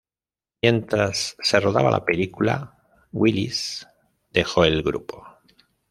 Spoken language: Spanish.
Mientras se rodaba la película, Willis dejó el grupo.